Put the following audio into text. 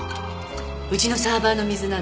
うちのサーバーの水なの。